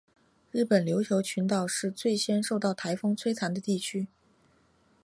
日本琉球群岛是最先受到台风摧残的地区。